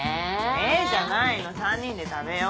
「え」じゃない３人で食べよう。